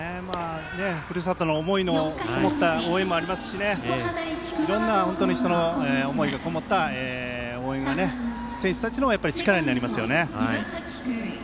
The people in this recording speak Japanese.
ふるさとの思いのこもった応援もありますしいろいろな人の思いがこもった応援が選手たちの力になりますよね。